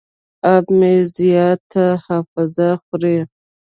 اپ مې زیاته حافظه خوري.